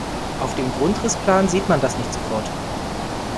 Auf dem Grundrissplan sieht man das nicht sofort.